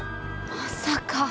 まさか。